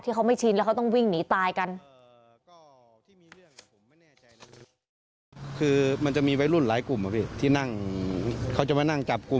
เขาไม่ชินแล้วเขาต้องวิ่งหนีตายกัน